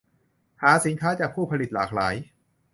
หาสินค้าจากผู้ผลิตหลากหลาย